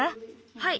はい。